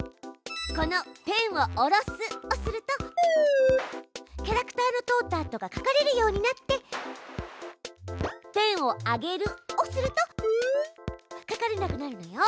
この「ペンを下ろす」をするとキャラクターの通ったあとが描かれるようになって「ペンを上げる」をすると描かれなくなるのよ。